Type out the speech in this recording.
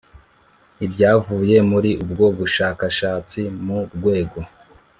ibyavuye muri ubwo bushakashatsi mu rwego